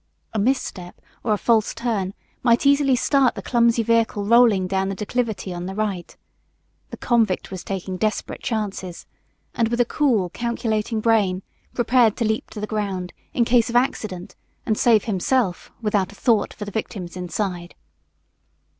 A misstep or a false turn might easily start the clumsy vehicle rolling down the declivity on the right. The convict was taking desperate chances, and with a cool, calculating brain, prepared to leap to the ground in case of accident and save himself, without a thought for the victims inside.